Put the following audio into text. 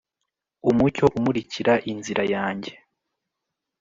umucyo umurikira inzira yanjye